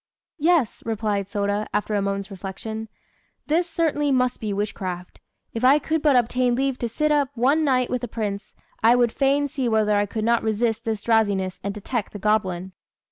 "Yes," replied Sôda, after a moment's reflection, "this certainly must be witchcraft. If I could but obtain leave to sit up one night with the Prince, I would fain see whether I could not resist this drowsiness and detect the goblin."